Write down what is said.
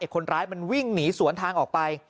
คนร้ายมันวิ่งหนีสวนทางออกไป